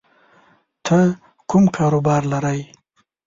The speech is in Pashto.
ته کوم کاروبار لری